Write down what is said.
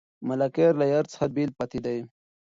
ملکیار له یار څخه بېل پاتې دی.